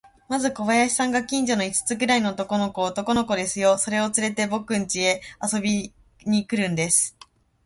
まず小林さんが、近所の五つくらいの男の子を、男の子ですよ、それをつれて、ぼくんちへ遊びに来るんです。